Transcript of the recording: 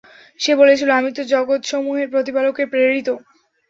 সে বলেছিল, আমি তো জগতসমূহের প্রতিপালকের প্রেরিত।